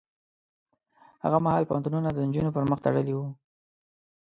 هغه مهال پوهنتونونه د نجونو پر مخ تړلي وو.